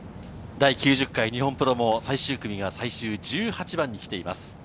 第９０回日本プロも、最終組が最終１８番に来ています。